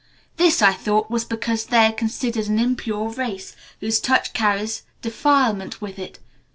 This, I thought, was because they are considered an impure race, whose touch carries defilement with it.